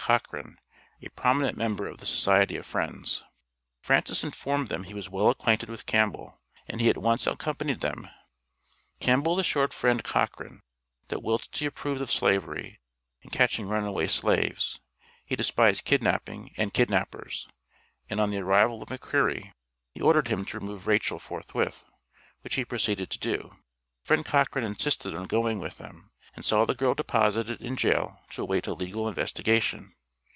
Cochran, a prominent member of the Society of Friends. Francis informed them he was well acquainted with Campbell, and he at once accompained them. Campbell assured Friend Cochran that whilst he approved of Slavery and catching runaway slaves, he despised kidnapping and kidnappers; and on the arrival of McCreary, he ordered him to remove Rachel forthwith, which he proceeded to do. Friend Cochran insisted on going with them, and saw the girl deposited in jail to await a legal investigation.